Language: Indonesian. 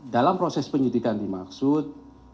dalam proses penyidikan dimaksud